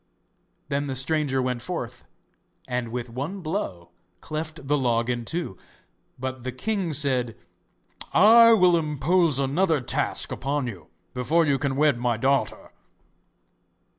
Then the stranger went forth, and with one blow cleft the log in two. But the king said: 'I will impose another task upon you, before you can wed my daughter.